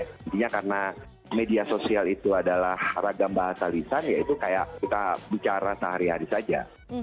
intinya karena media sosial itu adalah ragam bahasa lisan yaitu kayak kita bicara sehari hari saja